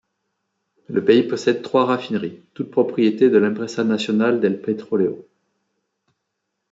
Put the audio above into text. Le pays possède trois raffineries, toutes propriétés de l'Empresa Nacional del Petróleo.